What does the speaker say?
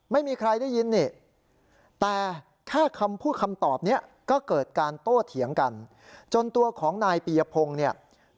ไม่มีใครได้ยินนี่